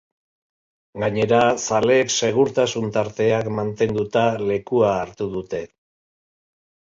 Gainera, zaleek segurtasun-tarteak mantenduta lekua hartu dute.